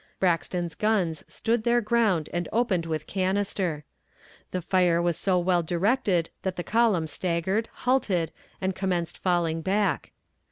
Braxton's guns stood their ground and opened with canister. The fire was so well directed that the column staggered, halted, and commenced falling back.